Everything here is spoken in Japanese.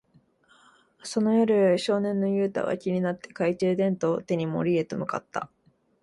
その夜、少年のユウタは気になって、懐中電灯を手に森へと向かった。